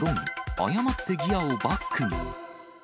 誤ってギアをバックに。